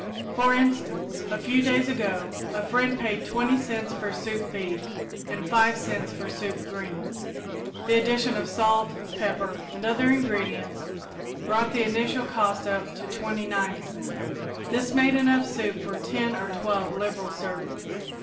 For instance, a few days ago a friend paid twenty cents for soup beef, and five cents for "soup greens." The addition of salt, pepper and other ingredients brought the initial cost up to twenty nine cents. This made enough soup for ten or twelve liberal servings.